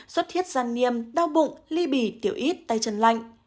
xuất thiết gian niêm đau bụng ly bì tiểu ít tay chân lạnh